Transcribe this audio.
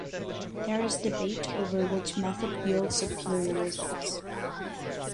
There is debate over which method yields superior results.